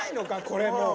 これもう。